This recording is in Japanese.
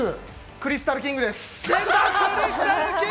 クリスタルキングです。